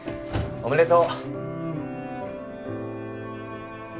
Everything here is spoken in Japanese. おめでとう。